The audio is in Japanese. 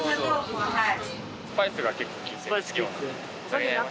はい。